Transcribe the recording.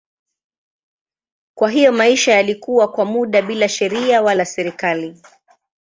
Kwa hiyo maisha yalikuwa kwa muda bila sheria wala serikali.